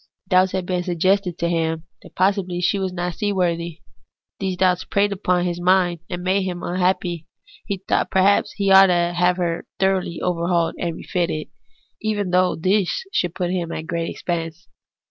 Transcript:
Doubts had been suggested to him that possibly she was not seaworthy. These doubts preyed upon his mind, and made him unhappy ; he thought that perhaps he ought to have her thoroughly overhauled and refitted, even though this should put him to great expense.